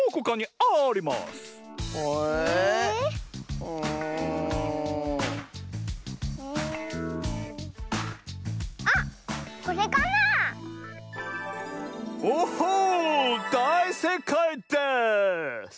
だいせいかいです！